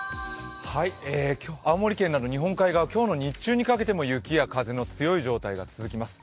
青森県など日本海側は今日の日中にかけても雪や風が強い状態が続きます。